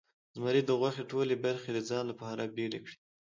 زمري د غوښې ټولې برخې د ځان لپاره بیلې کړې.